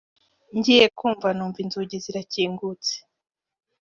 ngiye kumva numva inzugi zirakingutse